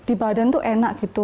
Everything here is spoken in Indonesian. di badan tuh enak gitu